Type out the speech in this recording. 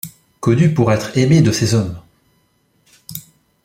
Connu pour être aimé de ses hommes.